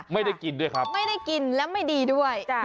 ไม่ได้กินด้วยครับไม่ได้กินและไม่ดีด้วย